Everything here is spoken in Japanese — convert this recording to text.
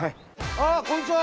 あこんにちは！